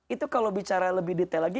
itu kalau bicara lebih detail lagi